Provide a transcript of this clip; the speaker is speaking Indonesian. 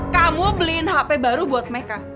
kamu beliin hp baru buat mereka